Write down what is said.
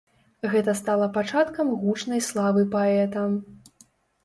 Гэта стала пачаткам гучнай славы паэта.